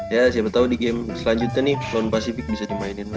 ya siapa tau di game selanjutnya nih lone pacific bisa dimainin lah